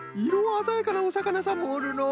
あざやかなおさかなさんもおるのう。